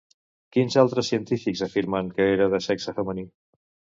Quins altres científics afirmen que era de sexe femení?